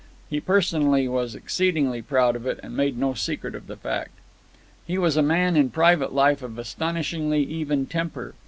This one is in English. He personally was exceedingly proud of it, and made no secret of the fact. He was a man in private life of astonishingly even temper.